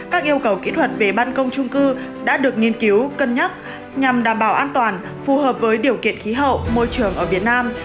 các yêu cầu kỹ thuật về ban công trung cư đã được nghiên cứu cân nhắc nhằm đảm bảo an toàn phù hợp với điều kiện khí hậu môi trường ở việt nam